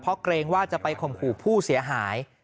เพราะเกรงว่าจะไปข่มขู่ผู้เสียหาย